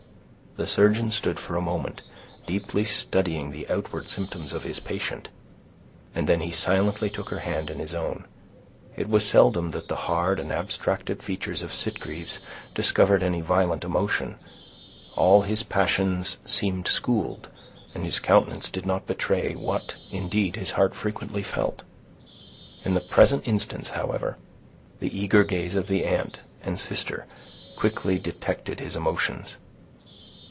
The surgeon stood for a moment, deeply studying the outward symptoms of his patient, and then he silently took her hand in his own. It was seldom that the hard and abstracted features of Sitgreaves discovered any violent emotion; all his passions seemed schooled, and his countenance did not often betray what, indeed, his heart frequently felt. In the present instance, however, the eager gaze of the aunt and sister quickly detected his emotions.